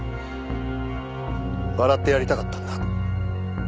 笑ってやりたかったんだ。